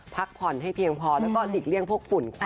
พักผ่อนให้เพียงพอแล้วก็หลีกเลี่ยงพวกฝุ่นควัน